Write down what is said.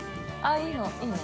いいね。